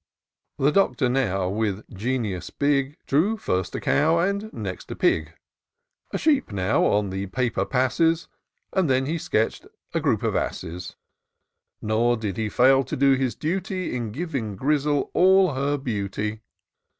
The Doctor now, with geiaus big, First drew a cow, and next a pig: A sheep now on the paper passes. And then he sketched a group of asses : Nor did he fail to do his duty In giving Grizzle all her beauty.